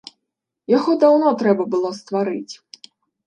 Яго даўно трэба было стварыць.